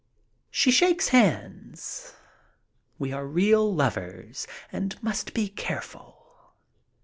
She shakes hands. We are real lovers and must be careful.